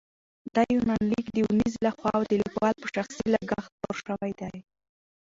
دا یونلیک د اونیزې له خوا د لیکوال په شخصي لګښت خپور شوی دی.